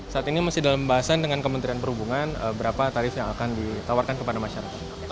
saat ini masih dalam pembahasan dengan kementerian perhubungan berapa tarif yang akan ditawarkan kepada masyarakat